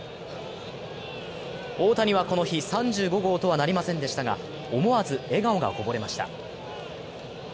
大谷はこの日、３５号とはなりませんでしたが思わず笑顔がこぼれました。